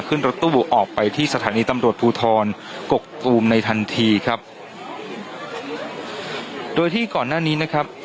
ขึ้นรถตู้ออกไปที่สถานีตำรวจภูทรกกตูมในทันทีครับโดยที่ก่อนหน้านี้นะครับ